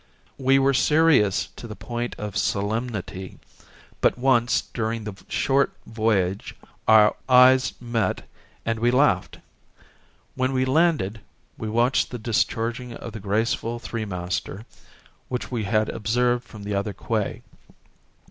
We were serious to the point of solemnity, but once during the short voyage our eyes met and we laughed. When we landed we watched the discharging of the graceful threemaster which we had observed from the other quay.